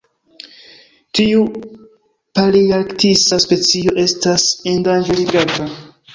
Tiu palearktisa specio estas endanĝerigata.